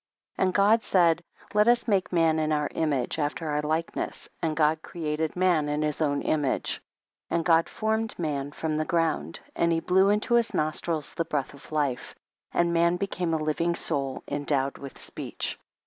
And God said let us make man in our image, after our likeness, and God created man in his own image. 2. And God formed man from the ground, and he blew into his nostrils the breath of life, and man became a living soul endowed with speech.